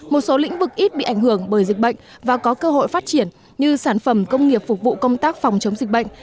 một số lĩnh vực ít bị ảnh hưởng bởi dịch bệnh và có cơ hội phát triển như sản phẩm công nghiệp phục vụ công tác phòng chống dịch bệnh